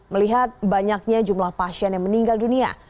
melihat banyaknya jumlah pasien yang meninggal dunia